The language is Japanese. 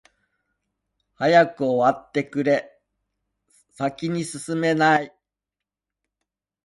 早く終わってくれ、先に進めない。